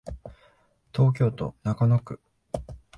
東京都中野区